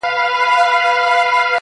په کوم دلیل ورځې و میکدې ته قاسم یاره,